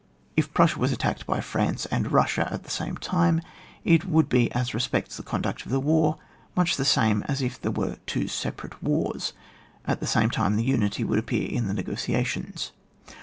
If Prussia was attacked by France and Bussia at the same time, it would be as respects the conduct of the war much the same as if there were two separate wars ; at the same time the unity would appear in the negotiations.